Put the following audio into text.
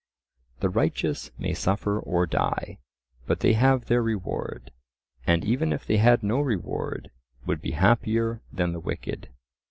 The righteous may suffer or die, but they have their reward; and even if they had no reward, would be happier than the wicked.